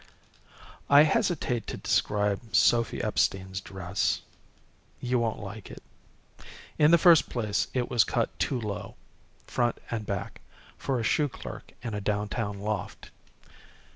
I hesitate to describe Sophy Epstein's dress. You won't like it. In the first place, it was cut too low, front and back, for a shoe clerk in a downtown loft.